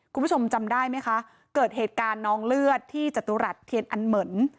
คุณผู้ชมจำได้ไหมคะเกิดเหตุการณ์น้องเลือดที่จตุรัสเทียนอันเหมือน